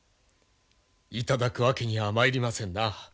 頂くわけにはまいりませんな。